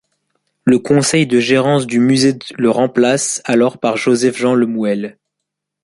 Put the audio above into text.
Le conseil de gérance du musée le remplace alors par Joseph-Jean Le Mouël.